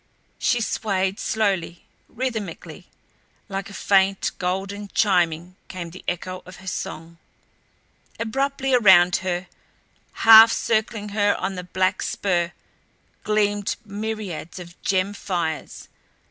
She swayed slowly, rhythmically; like a faint, golden chiming came the echo of her song. Abruptly around her, half circling her on the black spur, gleamed myriads of gem fires.